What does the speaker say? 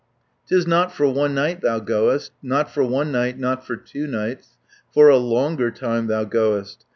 'Tis not for one night thou goest, Not for one night, not for two nights, For a longer time thou goest.